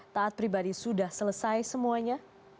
taat pribadi sudah selesai semuanya